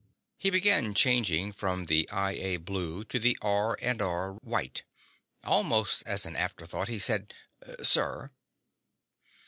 He began changing from the I A blue to the R&R white. Almost as an afterthought, he said: "... Sir."